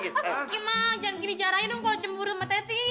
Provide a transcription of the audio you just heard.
gimana jangan gini gini jarangin dong kalau cemburu sama teti